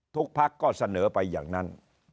พักก็เสนอไปอย่างนั้น